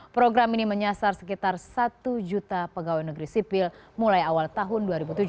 program ini menyasar sekitar satu juta pegawai negeri sipil mulai awal tahun dua ribu tujuh belas